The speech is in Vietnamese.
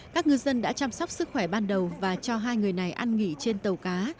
các ngư dân đã chăm sóc sức khỏe ban đầu và cho hai người này ăn nghỉ trên tàu cá